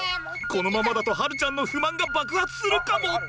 このままだと晴ちゃんの不満が爆発するかも！？